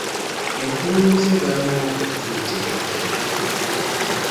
Empulunguse za muwogo ziyitibwa Enkenga.